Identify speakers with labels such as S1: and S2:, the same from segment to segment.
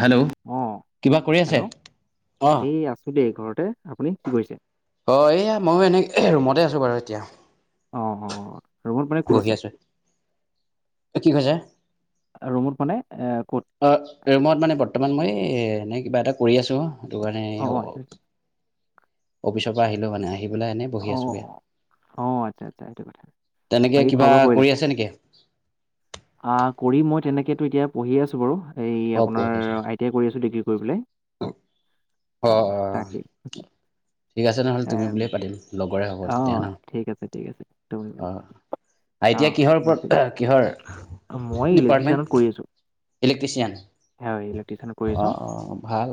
S1: Hello
S2: অ
S1: কিবা কৰি
S2: হেল্ল'
S1: আছে। অঁ
S2: এই আছো দেই ঘৰতে, আপুনি কি কৰিছে।
S1: অ' এইয়া ময়ো এনে ৰুমতে আছো বাৰু এতিয়া।
S2: অ'- অ' ৰুমত মানে ক'ত
S1: বহি
S2: আছে।
S1: আছোঁ। কি কৈছে
S2: ৰুমত মানে এ ক'ত
S1: অ' ৰুমত মানে বৰ্তমান মই এই এ এনে কিবা এটা কৰি আছো সেইটো কাৰণে অ' অফিচৰ পৰা আহিলো মানে আহি পেলাই এনেই বহি
S2: অ
S1: আছো এয়া।
S2: অ' আচ্ছা- আচ্ছা সেইটো কথা, বাকী খোৱা
S1: কিবা
S2: বোৱা কৰিলে।
S1: কৰি আছে নেকি?
S2: অ' কৰিম মই তেনেক এতিয়া পঢ়ি আছো বাৰু, এই
S1: অঁ
S2: আপোনাৰ
S1: পঢ়ি আছে
S2: আই টি আই কৰি আছো ডিগ্ৰী কৰি পেলাই। অ
S1: অ'-অ',
S2: তাকেই
S1: ঠিক আছে নহ'লে তুমি
S2: এম,
S1: বুলিয়েই পা তিম লগৰে হ'ব
S2: অ
S1: তেতিয়া ন।
S2: ঠিক আছে ঠিক আছে ত
S1: আই
S2: অ
S1: টি আই কিহৰ ওপৰত
S2: বাকী
S1: কিহৰ
S2: মই
S1: ডিপাৰ্টমেণ্ট।
S2: ইলেক্ট্ৰিচিয়ানত কৰি আছো
S1: ইলেক্ট্ৰিচিয়ান
S2: হয় ইলেক্ট্ৰিচিয়ানত কৰি আছো
S1: অ' অ' ভাল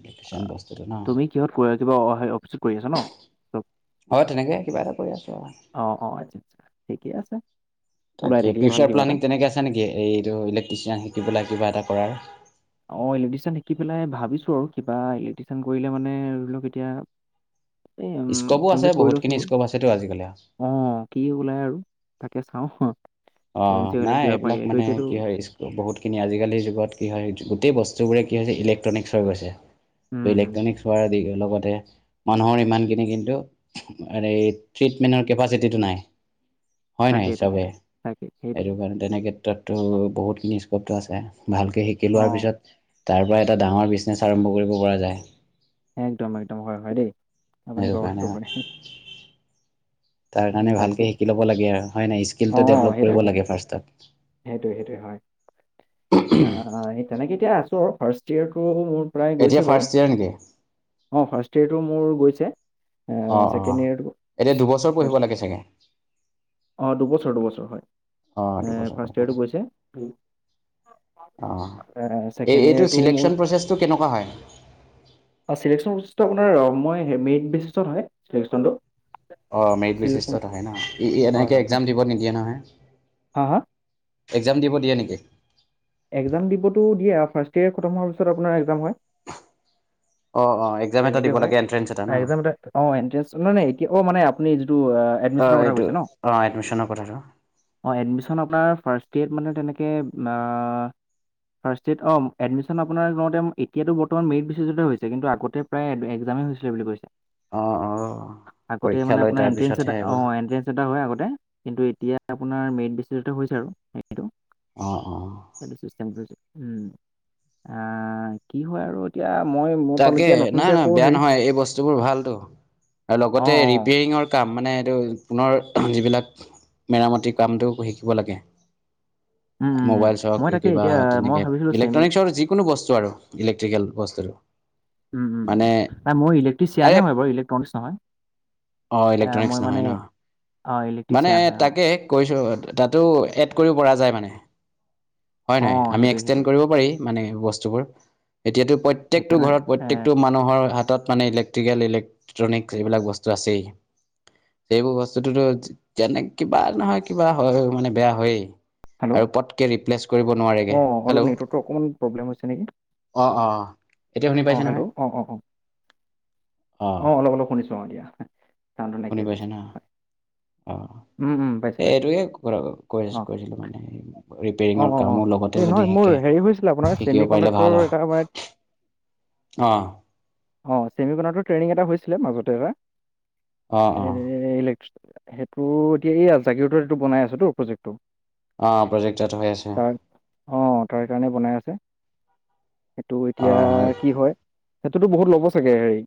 S1: ইলেক্ট্ৰিচিয়ান বস্তুটো ন।
S2: তুমি কিহত কৰি কিবা অ অফিচত কৰি আছা ন।
S1: অ' তেনেকে কিবা এটা কৰি আছো আৰু।
S2: অ অ আচ্ছা আচ্ছা ঠিকে আছে ওলাই
S1: তাকে
S2: থাকিলে ভাল
S1: ফিউচাৰ
S2: কিবা এটা
S1: প্লানিং তেনেকে আছে নেকি এইটো ইলেক্ট্ৰিচিয়ান শিকি পেলাই কিবা এটা কৰাৰ।
S2: অ' ইলেক্ট্ৰিচিয়ান শিকি পেলাই ভাবিছো আৰু কিবা ইলেক্ট্ৰিচিয়ান কৰিলে মানে ধৰি লওক এতিয়া উম,
S1: স্কপো আছে
S2: কমপ্লিট কৰি
S1: বহুতখিনি
S2: লওঁচোন বাৰু,
S1: স্কপ আছেতো আজিকালি
S2: অ' কি ওলাই আৰু। তাকে চাওঁ [unintelligible] এন
S1: অ'
S2: চি এল ত
S1: নাই
S2: কিবা
S1: এইবিলাক
S2: পাৰিলেতো
S1: মানে
S2: এতিয়াতো
S1: কি হয় বহুত খিনি আজিকালি যুগত কি হয় গোটেই বস্তুবোৰে কি হৈছে ইলেক্ট্ৰনিক্ছ হৈ গৈছে,
S2: উম
S1: ত'
S2: উম
S1: ইলেক্ট্ৰনিক্স হোৱাৰ লগত মানুহৰ ইমানখিনি কিন্তু আৰেই ট্ৰিতমেনৰ কেপাচিটিটো নাই। হয় নাই
S2: তাকেই তাকে
S1: চবেই,
S2: তাকে তাকে
S1: সেইটো
S2: সেইটোৱে
S1: কাৰণে তেনে ক্ষেত্ৰততো বহুতখিনি স্কপটো আছে। ভালকে শিকি
S2: অ
S1: লোৱাৰ পিছত তাৰ পৰা এটা ডাঙৰ বিজনেছ আৰম্ভ কৰিব পৰা যায়।
S2: একদম- একদম হয়- হয় দেই, আপুনি
S1: সেইটো
S2: কোৱা কথাটো
S1: কাৰণে
S2: [unintelligible]
S1: তাৰ
S2: উম,
S1: কাৰণে
S2: বাকী
S1: ভালকে শিকি ল'ব লাগে আৰু হয় নাই
S2: অ
S1: স্কিলটো ডেভলপ
S2: সেইটো
S1: কৰিব লাগে ফাৰ্ষ্টত।
S2: সেইটো হয়, আ তেনেকে এতিয়া আছোঁ আৰু ফাৰ্ষ্ট ইয়েৰটো প্ৰায় গৈছে
S1: এতিয়া
S2: বাৰু
S1: ফাৰ্ষ্ট ইয়াৰ নেকি।
S2: অ' ফাৰ্ষ্ট ইয়েৰটো মোৰ গৈছে। উম,
S1: অ', অ'।
S2: চেকেণ্ড ইয়েৰ টো
S1: এতিয়া দুবছৰ পঢ়িব
S2: ফাৰ্ষ্ট
S1: লাগে চাগে?
S2: অ' দুবছৰ- দুবছৰ হয়,
S1: অ',
S2: এ
S1: দুবছৰ
S2: ফাৰ্ষ্ট
S1: পঢ়িব
S2: ইয়েৰটো
S1: লাগে।
S2: গৈছে।
S1: অ'।
S2: এ
S1: এই
S2: ছেকেণ্ড
S1: এইটো
S2: ইয়ৰটো মোৰ,
S1: চিলেকশ্যন প্ৰচেছটো কেনেকুৱা হয়?
S2: আছিল। [unintelligible] আপোনাৰ মই মেৰিট বেচিছত হয়, চিলেকচনটো।
S1: অ' মেৰিট বেচিছত হয় ন, ই এনেকে একজাম দিব নিদিয়ে নহয়।
S2: হা-হা।
S1: এক্জাম দিব দিয়ে নেকি।
S2: এক্জাম দিবতো দিয়ে, ফাৰ্ষ্ট ইয়েৰ খতম হোৱাৰ পিছত আপোনাৰ এক্জাম হয়।
S1: অ', অ', এক্সাম এটা
S2: তেনেকে
S1: দিব
S2: হয়,
S1: লাগে এণ্ট্ৰেঞ্চ এটা ন?
S2: [unintelligible] অ' এণ্ট্ৰেন্স নহয় নহয় মানে এনেকে আপুনি যিটো আ
S1: অ' এইটো অ' এডমিছনৰ কথাটো।
S2: অ' এডমিশ্যন আপোনাৰ ফাৰ্ষ্ট ইয়েৰত মানে তেনেকে না ফাৰ্ষ্ট ইয়েৰত অ' এডমিচন আপোনাৰ লওঁতে এতিয়াটো বৰ্তমান মেৰিট বেচিছতে হৈছে, কিন্তু আগতে প্ৰায় এক্জামেই হৈছিলে বুলি কৈছে
S1: অ', অ'।
S2: আগতে
S1: পৰীক্ষা
S2: মানে
S1: লৈ
S2: আপোনাৰ এনট্ৰে
S1: তাৰপিছতহে
S2: এটা
S1: আহিব।
S2: অ এনট্ৰে এটা হয় আগতে কিন্তু এতিয়া আপোনাৰ মেৰিট বেচিছতে হৈছে আৰু সেটো
S1: অ', অ'।
S2: সেইটোিষ্টেমটো হৈছে উম আহ কি হয় আৰু এতিয়া মই মোৰ
S1: তাকে
S2: পালোতিয়া ন
S1: নাই নহয় বেয়া নহয় এই বস্তুবোৰ ভালতটো আৰু লগতে
S2: অঁ অঁ
S1: ৰিপেয়ৰিঙৰ কাম মানে এইটো আপোননৰ যিবিলাক মেৰামতিৰ কামটো শিকিব লাগে
S2: হয়
S1: মোবাইলছ হওক কিবা তেনেকে
S2: চেমি
S1: ইলেক্ট্ৰনিকছৰ যিকোনো বস্তু আৰু ইলেক্ট্ৰিকেল বস্তুটো
S2: উম উম উ
S1: মানে
S2: নাই মোৰ
S1: আৰে
S2: ইলেক্ট্ৰিচিয়ানে হয় বাৰু ইলেক্ট্ৰনিকছ নহয়
S1: অ
S2: এ,
S1: ইলেক্ট্ৰনিক
S2: মই মানে
S1: নহয়
S2: অঁ
S1: ন মানে
S2: ইলেক্ট্ৰিচিয়ান হয় অঁ
S1: তাকে াতো এড কৰিব পৰা য মানে হয় নয়
S2: অঁ
S1: আমি
S2: সেইটোৱে
S1: এক্সটেড
S2: সেইটোৱে
S1: কৰিব পাৰি মানে বস্তুবোৰ এতিয়াতো প্ৰত্যকটো
S2: সেইকাৰণে
S1: ঘৰত প্ৰত্যেকটো মানুহৰ হাতত মানে ইলেক্ট্ৰিকেল ইলেক্ট্ৰনিক এইবিলাক বস্তু আছেই সেইবোৰ বস্তুটোতো যেনে কিবা নহয় কিবা হয় মানে বেয়া হয়েই
S2: হেল্ল'
S1: আৰু পটকে ৰিপ্লেছ নে
S2: অঁ
S1: হেল্ল'
S2: অলপ নেটৱৰ্কটো অকণমান প্ৰব্লেম হৈছে নেকি
S1: অ অ এতিয়া শুনি
S2: অঁ
S1: পাইছে নহয়
S2: হেল্ল' অঁ অঁ অঁ
S1: অ
S2: অঁ অলপ অলপ শুনিছোঁ অ দিয়া কাৰানটো
S1: শুনি
S2: নাইকিয়ে
S1: পাইছে
S2: গৈছে
S1: ন
S2: হয়
S1: অ
S2: উম উম পাইছোঁ
S1: এই
S2: পাইছোঁ
S1: এইটোৱেথা কৈ
S2: অ',
S1: কৈছিলো
S2: অ',
S1: মানে
S2: অ', অ',
S1: কামো
S2: এই
S1: লগতে
S2: নহয়
S1: যদি
S2: মোৰ
S1: শিকে
S2: হেৰি হৈছিলে আপোনাৰ ছেমি
S1: শিকিব পাৰিলে
S2: কণ্ডাক্টৰৰ
S1: ভাল
S2: এটা মানে
S1: আৰু আহ
S2: অ চেমি বনো ট্ৰেইনিং এটা হৈছিলে মাজতে এটালে
S1: অ অ
S2: সেইটো এতিয়া এই আ জাকিৰ এইটো বনাই আছোতো প্ৰজেক্টটো
S1: অ প্ৰজেকট
S2: তাৰ অ তাৰ কাৰণে বনাই আছে সেইটো
S1: অ
S2: এতিয়া কি হয় সেইটোতো বহুত ল'ব চাগে হেৰি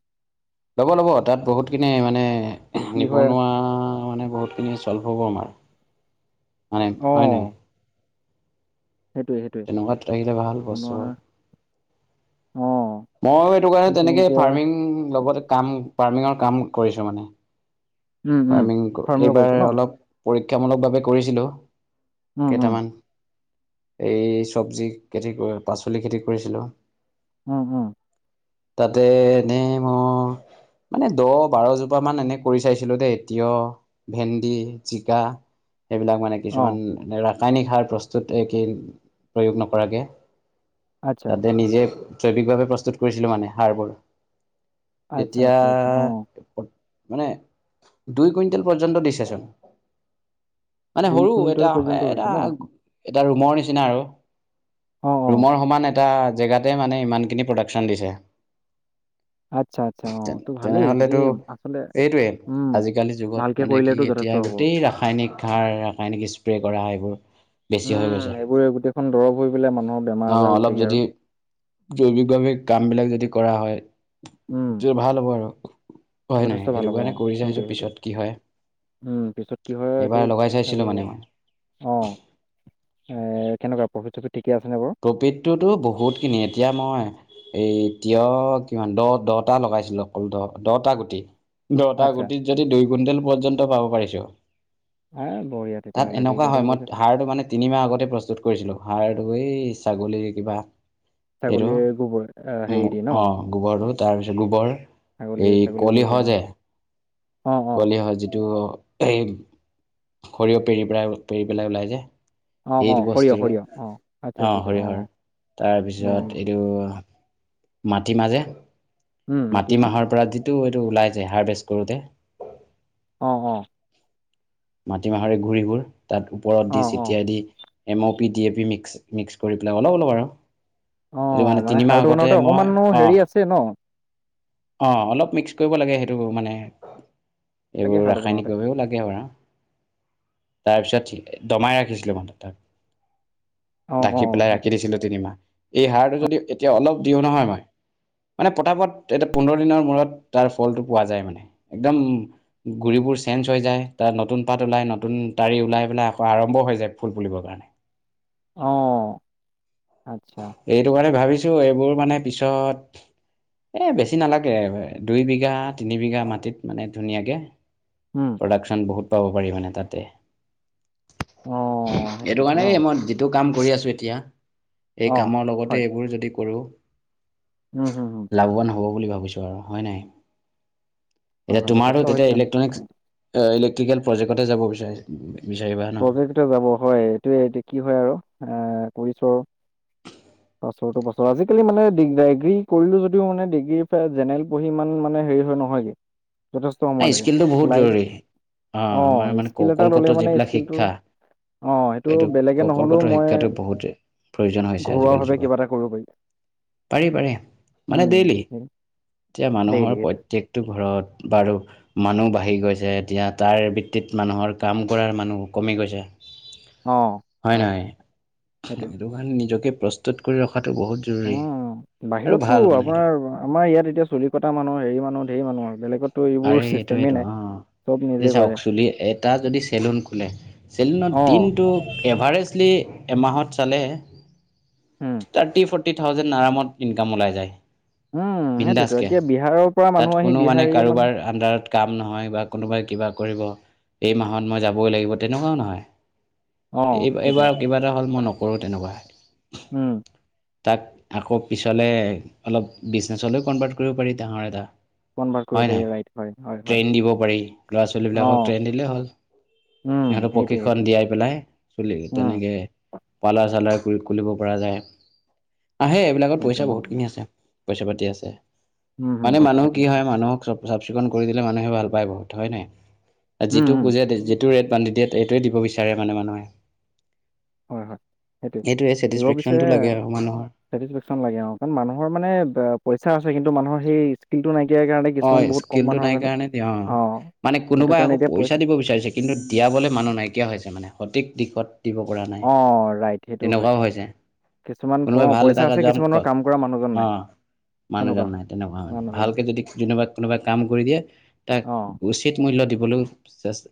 S1: ল'ব ল'ব তাত বহুতখিনি মানে
S2: কি হয়
S1: নিবনুৱা মানে বহুতখিনি চল্ভ হ'ব আমাৰ মানে হয় নাই
S2: অ', সেইটোৱে সেইটোৱে
S1: তেনেকুৱাত ৰাখিলে ভাল
S2: বনোৱা
S1: বস্তুবোৰ
S2: অ',
S1: মইো এইটো কাৰণে
S2: সেইখিনি
S1: তেনেকে
S2: এতিয়া
S1: ফাৰ্মিং লগত কাম ফাৰ্মিঙৰ কাম কৰিছো মানে
S2: উম, উম,
S1: ফাৰ্মিং
S2: ফাৰ্মিঙৰ
S1: এইবাৰ
S2: কৰিছে ন
S1: অলপ পৰীক্ষামূলকভাৱ কৰিছিলোঁ
S2: উম, উম,
S1: কেইটামান এই চব্জি খেতি কৰি পাচলি খেতি কৰিছিলো
S2: উম উম
S1: তাতে এনেই মই মানে দহ বাৰজোপা মান এনে কৰি চাইছিলো দেই তিয় ভেন্দি জিকা সেইবিলাক মানে কিছুমান
S2: অ',
S1: ৰাসায়নিক সাৰ প্ৰস্তুতিন প্ৰয়োগ নকৰাকৈ
S2: আচ্ছা,
S1: তাতে নিজে জৈৱিকভাৱে প্ৰস্তুত কৰিছিলোঁ মানে সাৰবোৰ
S2: আচ্ছা,
S1: তেতিয়া
S2: আচ্ছা, আচ্ছা অ',
S1: মানে দুই কুইণ্টেল পৰ্যন্ত দিছেচোন মানে
S2: দুই
S1: সৰু
S2: কুইণ্টেল
S1: এটা এ
S2: পৰ্যন্ত
S1: এটা
S2: হৈছে ন
S1: এটা ৰুমৰ নিচিনা আৰু
S2: অ', অ',
S1: ৰুমৰ সমান এটা জেগাত ত মানে ইমানখিনি প্ৰডাকশ্যন দিছে
S2: আচ্ছা, আচ্ছা।
S1: তে
S2: অ', তো ভালেই এইখিনি
S1: তেনেহলেতো
S2: আচলতে
S1: এইটোৱেই
S2: উম,
S1: আজিকালি যুগত
S2: ভালকে
S1: মানে কি
S2: কৰিলেতো যথেষ্ট
S1: এতিয়া
S2: হ'ব।
S1: গোটেই ৰাসায়নিক সাৰ ৰাসায়নিক স্প্ৰে কৰা এইবোৰ বেছি হৈ
S2: উম
S1: গৈছে
S2: এইবোৰে গোটেইখন দৰৱ হৈ পেলাই মানুহৰ বেমাৰ আজাৰ হৈছেগে আৰু
S1: জৈৱিকভৱিক কাম বিলাক যদি কৰা হয়
S2: উম,
S1: তে ভাল হ'ব আৰু হয় নাই
S2: যথেষ্ট ভাল
S1: এইটো
S2: হ'ব অ
S1: কাৰণে কৰি চাইছোঁ
S2: সেইটয়ে সেইটোৱে
S1: পিছত কি হয়
S2: উম পিছত কি হয় এইটো
S1: এইবাৰ লগাই
S2: হব
S1: চাইছিলোঁ মানে
S2: বাৰু
S1: মই
S2: অ এ কেনেকুৱা [unintelligible] বাৰু?
S1: কপিতটোতো বহুতখিনি এতিয়া মই এই এতিয়া কিমান দহ দহটা লগাইছিলো অকল দহ দহটা গুটি। দহটা
S2: আচ্ছা,
S1: গুটিত যদি দুই কুইণ্টেল পৰ্যন্ত পাব পাৰিছো
S2: আ, বঢ়িয়া
S1: তাত
S2: তেতিয়াহ'লে
S1: এনেকুৱা হয়
S2: কুইণ্টেল
S1: মই
S2: পৰিছে।
S1: সাৰটো মানে তিনিমাহ আগতে প্ৰস্তুত কৰিছিলো, সাৰ- [unintelligible] এই ছাগলীৰ কিবা এইটো,
S2: ছাগলীৰ গোবৰ আ, হেৰি
S1: উম,
S2: দি ন?
S1: অ', গোবৰটো তাৰপিছত গোবৰ
S2: ছাগলী
S1: এই
S2: ছাগলী গুৰ দি
S1: কলিহ
S2: অ'।
S1: যে?
S2: অ', অ',
S1: কলি হ, যিটো সৰিয়হ পেৰি পেলাই পেৰি পেলাই ওলাই যে?
S2: অ',
S1: এইটো
S2: অ', সৰিয়হ,
S1: বস্তুটো,
S2: সৰিয়হ। অ', আচ্ছা, আচ্ছা,
S1: অ',
S2: আচ্ছা।
S1: সৰিয়হৰ।
S2: উম,
S1: তাৰপিছত এইটো মাটি মাহ যে
S2: উম,
S1: মাটি
S2: মাটিমাহ।
S1: মাহৰ পৰা যি টো এইটো ওলাই যে হাৰ্ভেষ্ট কৰোতে।
S2: অঁ, অঁ।
S1: মাটি মাহৰ এই গুড়ি বোৰ তাত ওপৰত দি
S2: অ', অ'।
S1: চিটিয়াই দি M O P D A P mix mix কৰি পেলাই অলপ অলপ আৰু
S2: অ
S1: এইটো মানে তিনিমাহ
S2: সাৰটো
S1: আগতে
S2: বনাওঁতে
S1: মই,
S2: অকমানো
S1: অঁ
S2: হেৰি আছে ন
S1: অঁ, অলপ মিক্স কৰিব লাগে সেইটো মানে,
S2: লাগে
S1: এইবোৰ
S2: সাৰটো বনাওঁতে
S1: ৰাসায়নিকভাৱেও লাগে বৰা। তাৰপিছত দমাই ৰাখিছিলো মানে তাক।
S2: অ অ
S1: ঢাকি পেলাই ৰাখি
S2: সেইটো
S1: দিছিলো তিনিমাহ। এই সাৰটো যদি এতিয়া অলপ দিওঁ নহয় মই মানে পতাপত এটা পোন্ধৰ দিনৰ মূৰত তাৰ ফলটো পোৱা যায় মানে। একদম গুৰি চেঞ্জ হৈ যায় তাত নতুন পাত ওলাই, নতুন তাৰি ওলাই, আকৌ আৰম্ভ হৈ যায় ফুল ফুলিবৰ কাৰণে।
S2: অঁ।
S1: এইটো কাৰণে ভাবিছো এইবোৰ মানে পিছত এ বেছি নালাগে দুই বিঘা তিনি বিঘা মাটিত মানে ধুনীয়াকে
S2: উম
S1: প্ৰডাকশ্যন বহুত পাব পাৰি মানে তাতে।
S2: অ সেইটো
S1: এইটো
S2: কথা ন
S1: কাৰণেই মই যিটো কাম কৰি আছো এ এতিয়া এই
S2: অ
S1: কামৰ লগতে
S2: হয়
S1: এইবোৰ যদি কৰো
S2: উম হম হম
S1: লাভৱান হ'ব বুলি ভাবিছো আৰু, হয় নাই?
S2: হয়
S1: এতিয়া
S2: হয়
S1: তোমাৰো
S2: যথেষ্ট হয়
S1: তেতিয়া
S2: কিয়
S1: ইলেক্ট্ৰনিক ইলেক্ট্ৰিকেল প্ৰজেক্টতে যাব বিচাৰিচা।
S2: প্ৰজেক্ট যাব হয় এইটোৱে এয়া কি হয় আৰু। এ কৰিছোঁ আৰু। বছৰৰতটো বছৰ আজিকালি মানে ডি ডিগ্ৰী কৰিলো যদি মানে ডিগ্ৰীৰ জেনেৰেল পঢ়ি ইমান মানে হেৰি হয় ন নহয় [unintelligible]
S1: নাই স্কিলটো বহুত জৰুৰী। অঁ,
S2: অ
S1: আমাৰ মানে
S2: স্কিল এটা ললে
S1: কৌশলগত
S2: মানে
S1: যিবিলাক
S2: স্কিলটো
S1: শিক্ষা
S2: অ সেইটো
S1: এইটো
S2: বেলেগে নহলেও
S1: কৌশলগত
S2: মই
S1: শিক্ষাটো বহুতেই প্ৰয়োজন হৈছে
S2: ঘৰুৱা
S1: আজিকালি
S2: ভাৱে
S1: যুগত,
S2: কিবা এটা কৰিব পাৰি
S1: পাৰি পাৰি মানে ডেইলি।
S2: উম
S1: এতিয়া
S2: ডেইলি
S1: মানুহৰ
S2: সেইটো
S1: প্ৰত্যকটো ঘৰত বাৰু মানুহ বাঢ়ি গৈছে এতিয়া তাৰ ভিত্তিত মানুহৰ কাম কৰাৰ মানুহ কমি গৈছে। হয় নহয়?
S2: সেইটো
S1: এইটো কাৰণে নিজকে প্ৰস্তুত কৰি ৰখা
S2: উম, বাহিৰতটো
S1: ভাল মানে এইটো
S2: আপোনাৰ আমাৰ ইয়াত এতিয়া চুলি কটা মানুহ হেৰি মানুহ ঢেৰ মানুহ আৰু বেলেগতো এইবোৰ চিষ্টেমেই নাই
S1: এ
S2: নিজে
S1: চাওক
S2: কৰে
S1: চুলি এটা যদি চেলুন খোলে চেলুনত
S2: অঁ
S1: দিনটো এভাৰেজ এমাহত চালে
S2: উম
S1: থাৰ্টি ফৰ টি থাউজেণ্ড আৰামত ইনকাম ওলাই যায়।
S2: উম সেইটোতো।
S1: বিন্দাছকে
S2: এতিয়া বিহাৰৰ পৰা
S1: তাত
S2: মানুহ আহি
S1: কোনো মানে
S2: বিহাৰী মানুহ
S1: কাৰোবাৰ আণ্ডাৰত কাম নহয় বা কোনোবাই কিবা কৰিব এই মাহত মই যাবই লাগিব তেনেকুৱাও নহয়
S2: অঁ
S1: এইব
S2: সেইটোৱে
S1: এইবাৰ কিবা এটা হ'ল মই নকৰোঁ তেনেকুৱা।
S2: উম
S1: তাক আকৌ পিছলৈ অলপ বিজনেচলৈও কনভাৰ্ট কৰিব পাৰি ডাঙৰ এটা।
S2: কনভাৰ্ট কৰিব
S1: হয়
S2: পাৰি
S1: নহয়?
S2: ৰাইট হয় হয় হয়
S1: ট্ৰেইন দিব পাৰি ল'ৰা
S2: অঁ
S1: ছোৱালীবিলাকক ট্ৰেইন দিলেই হ'ল।
S2: উম
S1: সিহঁত
S2: সেইটোৱে সেইটোৱে
S1: প্ৰশিক্ষণ দিয়াই পেলাই চুলি
S2: উম
S1: তেনেকে পালৰ চালৰ খুল পৰা যায় আহে সেই এইবিলাকত
S2: একদম
S1: পইচা বহুত
S2: একদম
S1: খিনি আছে পইচা পাতি আছে
S2: উম হুম
S1: মানে
S2: পইচা
S1: মানুহ
S2: পাতি
S1: কি
S2: আছে
S1: হয় মানুহক চ চাফ চিকুণ কৰি দিলে মানুহে ভাল পায় বহুত হয় ন
S2: উম
S1: যিটো
S2: উম
S1: পুজে যিটো ৰেট বান্ধি দিয়ে সেইটোৱে দিব বিচাৰে মানে মানুহে
S2: হয় হয় সেইটোৱে
S1: এইটোৱে
S2: দিব
S1: ছেটিছফেকশ্যনটো
S2: বিচাৰে
S1: লাগে আৰু মানুহৰ
S2: [unintelligible]
S1: অ
S2: কিছুমান বহুত কম
S1: ইস্কিনটো
S2: মানুহৰ
S1: নাই কাৰণে দিয় অ মানে
S2: সেইটো
S1: কোনোবাই
S2: কাৰণে
S1: আকৌ
S2: এতিয়া
S1: পইচা দিব বিচাৰিছে কিন্তু দিয়াবলৈ মানুহ নাইকিয়া হৈছে মানে সঠিক তিব পৰা নাই
S2: অ ৰাইট সেইটো হয়
S1: তেনেকুৱাও হৈছে
S2: কিছুমান
S1: কোনোবাই
S2: অ
S1: ভালে
S2: পইচা
S1: থাককা
S2: আছে
S1: যাম
S2: কিছুমানৰ
S1: কত
S2: কাম কৰা মানুহজন
S1: অ
S2: নাই
S1: মানুহ
S2: তেনেকুৱা
S1: জান
S2: হয়
S1: নাই তেনেকুৱা মানে
S2: মানুহজনে
S1: ভালকে যদি কোনোবা কোনোবা কাম কৰি দিয়ে তাক
S2: অ
S1: উচিত মূল্য দিবলৈ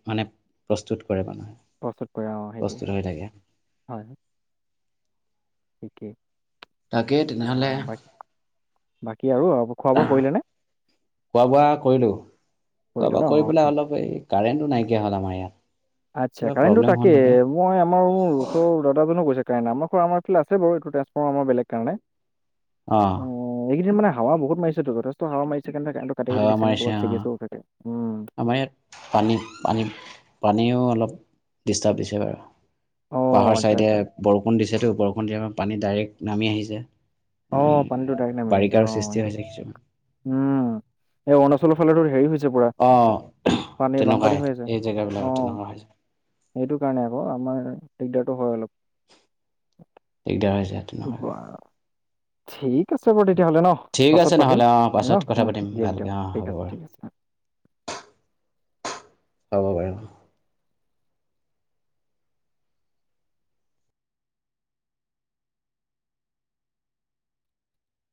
S1: মানে প্ৰস্তুত কৰে কৰে মানুহে
S2: প্ৰস্তুত কৰে অ সেইটোৱে
S1: প্ৰস্তুত হৈ থাকে
S2: হয় হয় [unintelligible]
S1: তাকেই তেনেহ'লে
S2: আহ ব বাকী আৰু খোৱা বোৱা কৰিলে নে
S1: খোৱা বোৱা কৰিলো খোৱা
S2: কৰিলে
S1: বোৱা
S2: ন অ
S1: কৰি পেলাই অলপ এই কাৰেণ্টো নাইকিয়া হ'ল আমাৰ ইয়াত
S2: আচ্ছা
S1: কিবা
S2: কাৰেণ্টটো
S1: প্ৰব্লেম হ'ল
S2: তাকে
S1: নেকি
S2: মই আমাৰ চৰ দাদাজনো কৈছে কাৰণ আমাৰ আাৰিল আছে বাৰু এইটোট্ৰেন্সফৰ্মমাৰ বেলেগ কাৰণে
S1: অঁ
S2: অ এইকেইদিন মানে হাৱা বহুত মাৰিছেতো যথেষ্ট হাৱা মাৰিছে কাৰণে কাৰেণ্টটো কাটি কাটি
S1: হাওআ
S2: দিছে নে
S1: আমাৰ
S2: ক'ৰবাত ছিগি চিগি থাকে। উম,
S1: ইয়াত পানি পানি পানীও অলপ ডষ্টাৰ দিছে বাৰু
S2: অ',
S1: পাহাৰ
S2: আচ্ছা
S1: চাইডে
S2: আচ্ছা,
S1: বৰষুণ দিছেতো বৰষুণ দিয় পানী ডাইৰেক্ট নামি আহিছে এনে
S2: আহ পানীটো তাই নামি আহ আছে
S1: বাৰিষাৰ
S2: অ
S1: সৃষ্টি
S2: সেইটো
S1: হৈছে কিছুমান
S2: উম এ অৰুণচলৰ ফালে হেৰি হৈছে
S1: অঁ
S2: পানী
S1: তেনেকুৱা
S2: বানপানী হৈ আছে
S1: এই জেগাবিলাকত
S2: অ
S1: তেনেকুৱা হৈছে
S2: সেইটো কাৰণে আকৌ আমাৰ দিগদাৰটো হয় অলপ
S1: দিগদাৰ হৈছে
S2: বা
S1: তেনেকে
S2: ঠিক আছে বাৰু তেতিয় হ'লে ন
S1: ঠিক
S2: পাছত
S1: আছে
S2: পাতিম
S1: নহ'লে অঁ
S2: ন
S1: পাছত কথা
S2: উ
S1: পাতিম
S2: দিয়ক
S1: ভালকৈ
S2: দিয়ক
S1: অঁ
S2: ঠিক
S1: হ'ব
S2: আছে
S1: বাৰু
S2: ঠিক আছে [unintelligible]
S1: হ'ব বাই ন